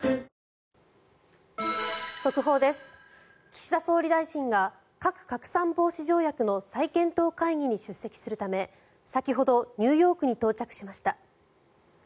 岸田総理大臣が核拡散防止条約の再検討会議に出席するため先ほどニューヨークに到着しました。